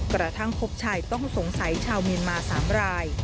กระทั่งพบชายต้องสงสัยชาวเมียนมา๓ราย